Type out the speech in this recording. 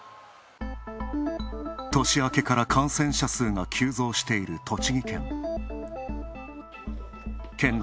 年明けから感染者数が急増している栃木県。